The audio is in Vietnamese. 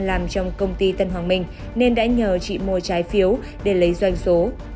làm trong công ty tân hoàng minh nên đã nhờ chị mua trái phiếu để lấy doanh số